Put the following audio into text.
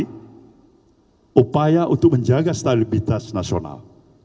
dan ini adalah upaya untuk menjaga stabilitas nasional